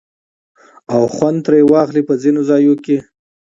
او خوند ترې واخلي په ځينو ځايو کې